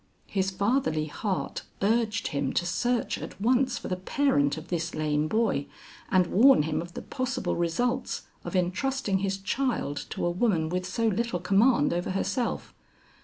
His fatherly heart urged him to search at once for the parent of this lame boy, and warn him of the possible results of entrusting his child to a woman with so little command over herself.